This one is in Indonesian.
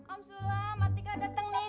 om sulam atika dateng nih